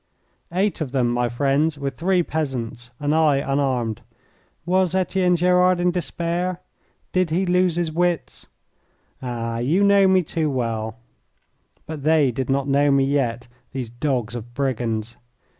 Eight of them, my friends, with three peasants, and I unarmed! Was Etienne Gerard in despair? Did he lose his wits? Ah, you know me too well; but they did not know me yet, these dogs of brigands.